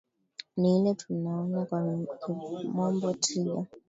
ni ile tunaonya kwa kimombo trigger